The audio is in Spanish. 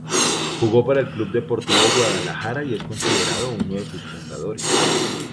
Jugó para el Club Deportivo Guadalajara y es considerado uno de sus fundadores.